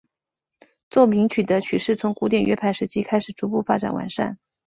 奏鸣曲的曲式从古典乐派时期开始逐步发展完善。